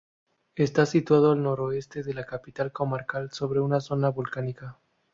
Está situado al noroeste de la capital comarcal, sobre una zona volcánica.